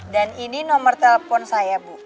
dan ini nomor telepon saya bu